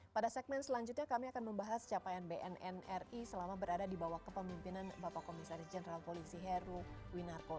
pada segmen selanjutnya kami akan membahas capaian bnnri selama berada di bawah kepemimpinan bapak komisaris jenderal polisi heru winarko